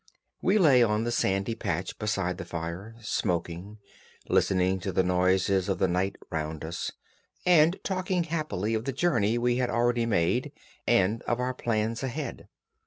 We lay on the sandy patch beside the fire, smoking, listening to the noises of the night round us, and talking happily of the journey we had already made, and of our plans ahead.